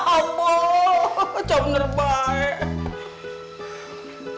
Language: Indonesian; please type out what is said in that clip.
ambooh camu nerbaik